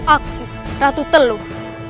aku ratu teluh